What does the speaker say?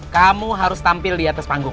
kamu harus tampil di atas panggung